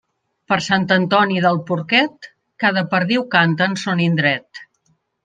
Per Sant Antoni del porquet, cada perdiu canta en son indret.